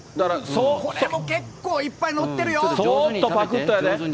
これも結構いっぱい載ってるよ。